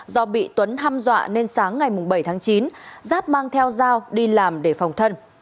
do bị tuấn hăm dọa nên sáng ngày bảy tháng chín giáp mang theo dao đi làm để phòng thân